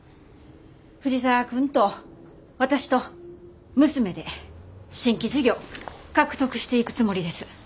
藤沢君と私と娘で新規事業獲得していくつもりです。